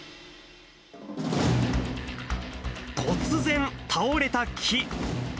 突然、倒れた木。